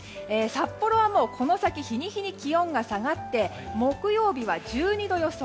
札幌はもうこの先日に日に気温が下がって木曜日は１２度予想。